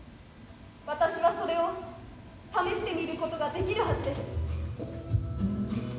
私はそれを試してみることができるはずです。